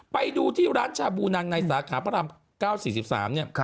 ไปดูที่ร้านชาบูนังในสาขาพระราม๙๔๓เนี่ย